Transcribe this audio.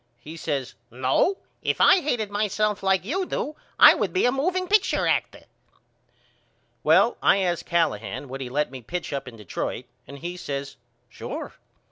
He says No. If I hated myself like you do I would be a moveing picture actor. Well I asked Callahan would he let me pitch up to Detroit and he says Sure.